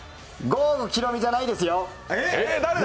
郷ひろみじゃないですよ。